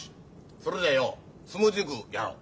それじゃあよ「相撲甚句」やろう。